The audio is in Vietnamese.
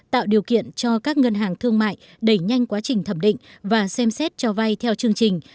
tạo điều kiện cho các ngân hàng thương mại đẩy nhanh quá trình thẩm định và xem xét cho vay theo chương trình